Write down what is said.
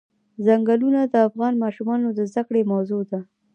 ځنګلونه د افغان ماشومانو د زده کړې موضوع ده.